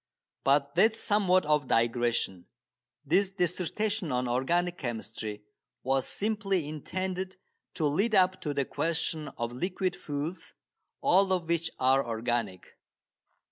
But that is somewhat of a digression. This dissertation on organic chemistry was simply intended to lead up to the question of liquid fuels, all of which are organic.